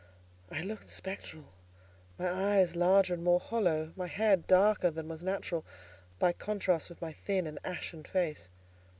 I looked spectral; my eyes larger and more hollow, my hair darker than was natural, by contrast with my thin and ashen face.